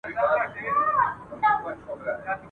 د دغسي منفي انګيرني څرګندول، مقابل اړخ ته حجت تلقينوي.